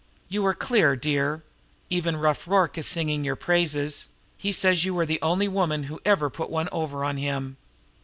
You are clear, dear. Even Rough Rorke is singing your praises; he says you are the only woman who ever put one over on him."